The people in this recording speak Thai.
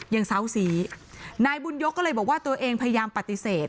เศร้าสีนายบุญยกก็เลยบอกว่าตัวเองพยายามปฏิเสธ